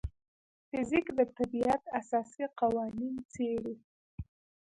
فزیک د طبیعت اساسي قوانین څېړي.